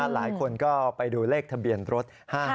หลายคนก็ไปดูเลขทะเบียนรถ๕๕